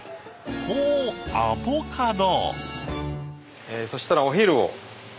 ほうアボカド。